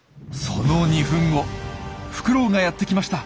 その２分後フクロウがやって来ました。